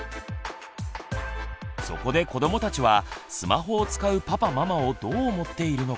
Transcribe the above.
そこで子どもたちはスマホを使うパパママをどう思っているのか？